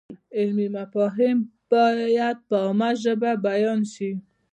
علمي مفاهیم باید په عامه ژبه بیان شي.